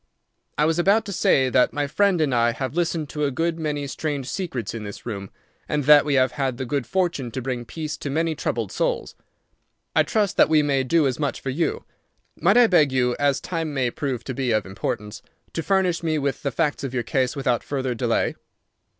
I was about to say that my friend and I have listened to a good many strange secrets in this room, and that we have had the good fortune to bring peace to many troubled souls. I trust that we may do as much for you. Might I beg you, as time may prove to be of importance, to furnish me with the facts of your case without further delay?"